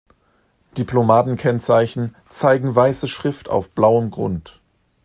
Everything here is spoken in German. Diplomatenkennzeichen zeigen weiße Schrift auf blauem Grund.